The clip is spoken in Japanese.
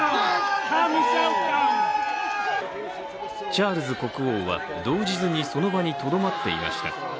チャールズ国王は動じずにその場にとどまっていました。